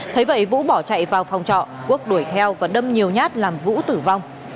thấy vậy vũ bỏ chạy vào phòng trọ quốc đuổi theo và đâm nhiều nhát làm vũ tử vong